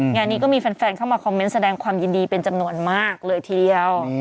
งานนี้ก็มีแฟนเข้ามาคอมเมนต์แสดงความยินดีเป็นจำนวนมากเลยทีเดียว